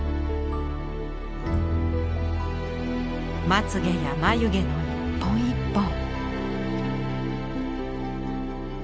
まつげや眉毛の一本一本。